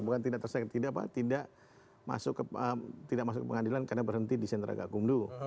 bukan tidak tersesaikan tidak masuk ke pengadilan karena berhenti di sentraga kumdu